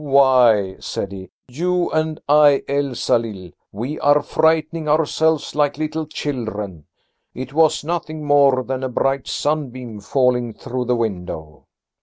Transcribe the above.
"Why," said he, "you and I, Elsalill, we are frightening ourselves like little children. It was nothing more than a bright sunbeam falling through the window."